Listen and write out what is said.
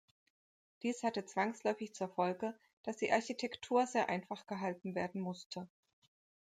Dies hatte zwangsläufig zur Folge, dass die Architektur sehr einfach gehalten werden musste.